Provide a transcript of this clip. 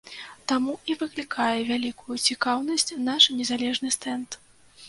Таму і выклікае вялікаю цікаўнасць наш незалежны стэнд.